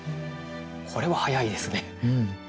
これは速いですね。